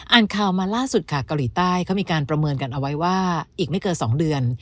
ข่าวมาล่าสุดค่ะเกาหลีใต้เขามีการประเมินกันเอาไว้ว่าอีกไม่เกิน๒เดือน